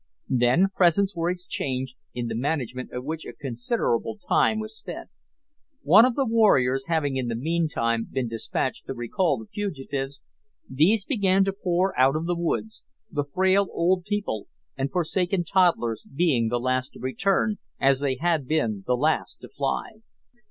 Then, presents were exchanged, in the management of which a considerable time was spent. One of the warriors having in the meantime been despatched to recall the fugitives, these began to pour out of the woods, the frail old people and forsaken toddlers being the last to return, as they had been the last to fly.